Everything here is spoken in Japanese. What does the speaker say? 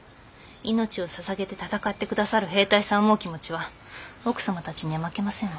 命をささげて戦って下さる兵隊さんを思う気持ちは奥様たちには負けませんわ。